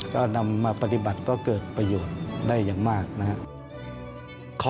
ก็นำมาปฏิบัติก็เกิดประโยชน์ได้อย่างมากนะครับ